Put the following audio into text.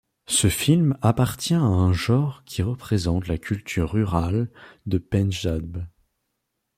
Ce film appartient à un genre qui représente la culture rurale de Pendjab.